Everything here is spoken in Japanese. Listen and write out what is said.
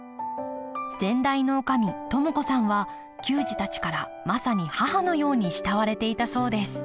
先代の女将智子さんは球児たちからまさに母のように慕われていたそうです